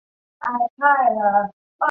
圣方济各保拉堂。